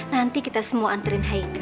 nanti kita semua antriin haikal